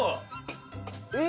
えっ！